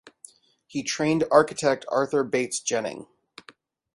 He trained architect Arthur Bates Jennings.